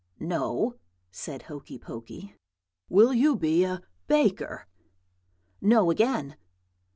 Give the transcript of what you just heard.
"'No,' said Hokey Pokey. "'Will you be a baker?' "'No, again.'